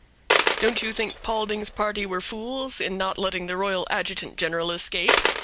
"Don't you think Paulding's party were fools in not letting the royal adjutant general escape?"